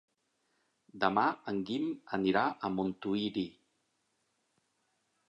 Demà en Guim anirà a Montuïri.